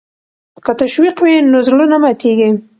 که تشویق وي نو زړه نه ماتیږي.